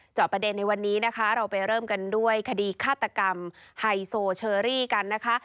จอบประเด็นในวันนี้นะคะเราไปเริ่มกันด้วยคดีฆาตกรรมไฮโซเชอรี่กันนะคะ